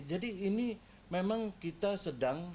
jadi ini memang kita sedang